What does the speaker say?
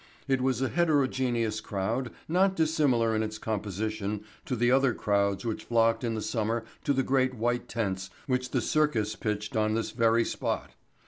It was a heterogeneous crowd not dissimilar in its composition to the other crowds which flocked in the summer to the great white tents which the circus pitched on this very spot.